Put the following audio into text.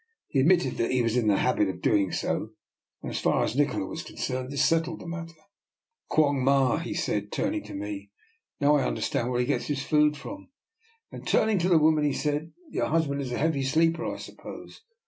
He admitted that he was in the habit of doing so; and as far as Nikola was con cerned, this settled the matter. Quong Ma," he said, turning to me. Now I understand where he gets his food from." Then turning to the woman he said, " Your husband is a heavy sleeper, I sup pose?